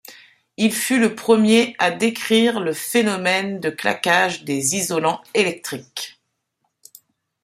Il fut le premier à décrire le phénomène de claquage des isolants électriques.